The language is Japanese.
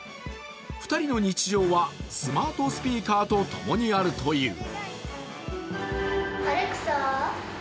２人の日常はスマートスピーカーと共にあるという。